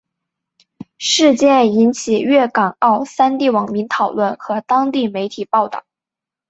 事件引起粤港澳三地网民讨论和当地媒体报导。